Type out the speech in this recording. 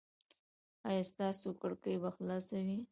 ایا ستاسو کړکۍ به خلاصه وي؟